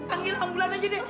anggil ambulan aja deh